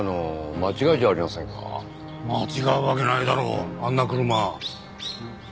間違うわけないだろあんな車。